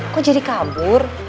kok jadi kabur